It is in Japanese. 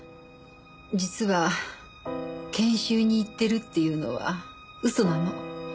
実は研修に行ってるっていうのは嘘なの。